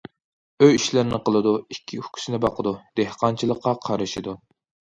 ئۆي ئىشلىرىنى قىلىدۇ، ئىككى ئۇكىسىنى باقىدۇ، دېھقانچىلىققا قارىشىدۇ.